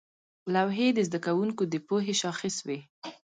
لوحې د زده کوونکو د پوهې شاخص وې.